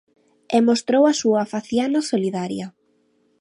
E mostrou a súa faciana solidaria.